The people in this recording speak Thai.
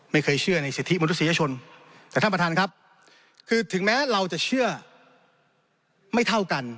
ไม่เคยเชื่อในสิทธิมนุษยชนแต่ท่านประธานครับคือถึงแม้เราจะเชื่อไม่เท่ากัน